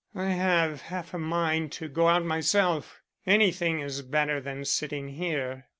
"I have half a mind to go out myself; anything is better than sitting here."